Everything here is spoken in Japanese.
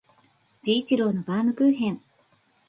治一郎のバームクーヘン